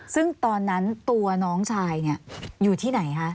ซึ่งตอนนั้นตัวน้องชายอยู่ที่ไหนคะ